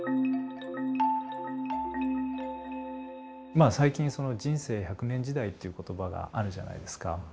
まあ最近「人生１００年時代」っていう言葉があるじゃないですか。